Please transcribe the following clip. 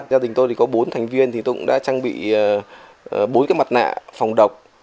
gia đình tôi có bốn thành viên tôi cũng đã trang bị bốn mặt nạ phòng độc